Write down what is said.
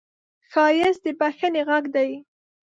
ښایست د بښنې غږ دی